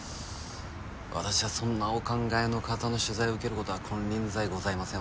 私はそんなお考えの方の取材を受けることは金輪際ございません。